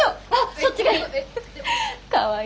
そっちがいい！